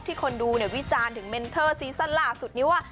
คนดูวิจารณ์ถึงเมนเทอร์ซีซั่นล่าสุดนี้ว่า